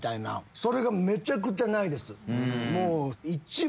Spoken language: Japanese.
それがめちゃくちゃないです。